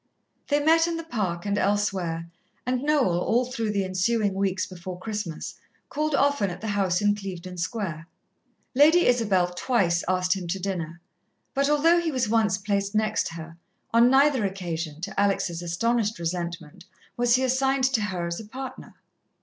They met in the Park and elsewhere, and Noel, all through the ensuing weeks before Christmas, called often at the house in Clevedon Square. Lady Isabel twice asked him to dinner, but although he was once placed next her, on neither occasion, to Alex' astonished resentment was he assigned to her as a partner.